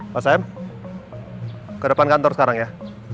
mas aem ke depan kantor sekarang ya